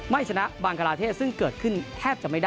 ไม่ชนะบังกลาเทศซึ่งเกิดขึ้นแทบจะไม่ได้